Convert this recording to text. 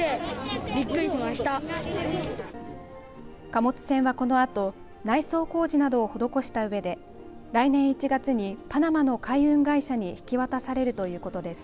貨物船は、このあと内装工事などを施したうえで来年１月にパナマの海運会社に引き渡されるということです。